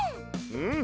うん！